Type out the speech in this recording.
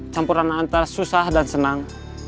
campuran antar susah dan senang